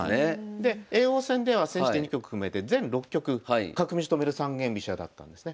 叡王戦では千日手２局含めて全６局角道止める三間飛車だったんですね。